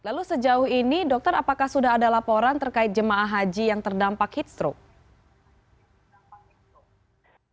lalu sejauh ini dokter apakah sudah ada laporan terkait jemaah haji yang terdampak heat stroke